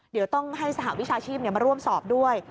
เดี๋ยวต้องให้สหวิชาชีพมาร่วมสอบด้วย